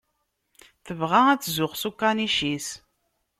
Tebɣa ad tzuxx s ukanic-is.